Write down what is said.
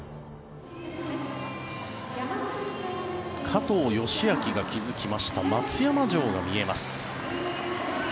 加藤嘉明が築きました松山城が見えます。